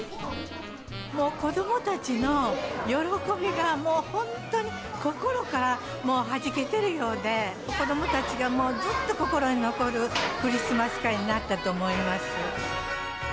もう子どもたちの喜びが、もう本当に心からもうはじけてるようで、子どもたちがもうずっと心に残るクリスマス会になったと思います。